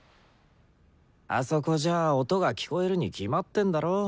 あそこじゃあ音が聴こえるに決まってんだろ。